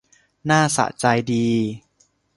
หน้าสะใจดี